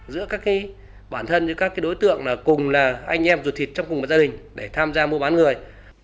giữa các bản thân các đối tượng cùng là anh em ruột thịt trong cùng một gia đình để tham gia mua bán người